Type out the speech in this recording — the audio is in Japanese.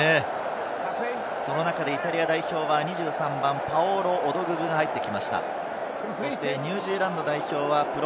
その中でイタリア代表は２３番、パオロ・オドグブが入ってきました。